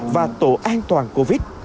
và tổ an toàn covid